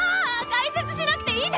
解説しなくていいです！